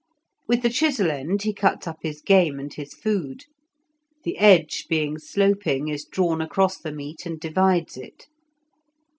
With the chisel end he cuts up his game and his food; the edge, being sloping, is drawn across the meat and divides it.